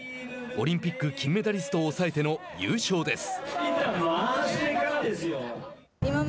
オリンピック金メダリストを抑えての優勝です。